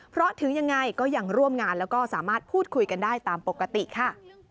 เพราะถึงยังไงก็ยังร่วมงานแล้วก็สามารถพูดคุยกันได้ตามปกติค่ะ